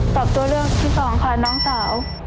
ตัวเลือกที่สองค่ะน้องสาว